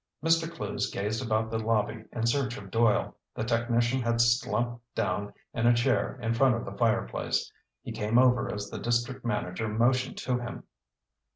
Mr. Clewes gazed about the lobby in search of Doyle. The technician had slumped down in a chair in front of the fireplace. He came over as the district manager motioned to him.